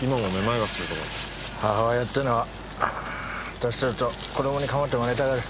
母親ってのは歳とると子供にかまってもらいたがる。